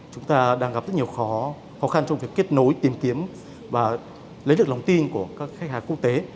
chúng ta đang gặp rất nhiều khó khăn trong việc kết nối tìm kiếm và lấy được lòng tin của các khách hàng quốc tế